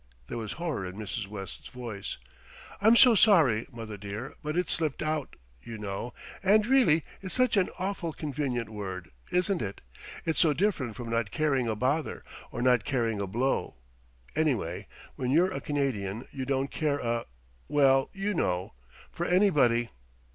There was horror in Mrs. West's voice. "I'm so sorry, mother dear; but it slipped out, you know, and really it's such an awfully convenient word, isn't it? It's so different from not caring a bother, or not caring a blow. Anyway, when you're a Canadian you don't care a well you know, for anybody.